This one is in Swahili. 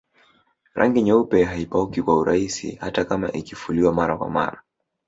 Rangi nyeupe haipauki kwa urahisi hata kama ikifuliwa mara kwa mara